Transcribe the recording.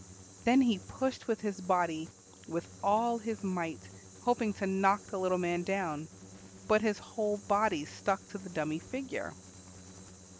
Then he pushed with his body with all his might, hoping to knock the little man down, but his whole body stuck to the dummy figure.